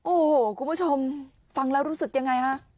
โอ้โหคุณผู้ชมฟังแล้วรู้สึกยังไงฮะ